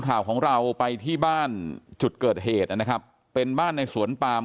ข่าวของเราไปที่บ้านจุดเกิดเหตุนะครับเป็นบ้านในสวนปาม